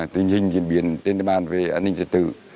tình hình diễn biến trên địa bàn về an ninh chính trị